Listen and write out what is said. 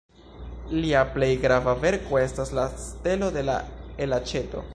Lia plej grava verko estas "La Stelo de la Elaĉeto".